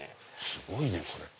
すごいねこれ。